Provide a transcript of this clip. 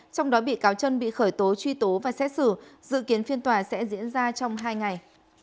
trong đó bị cáo trân bị khởi tố truy tố và xét xử dự kiến phiên tòa sẽ diễn ra trong hai ngày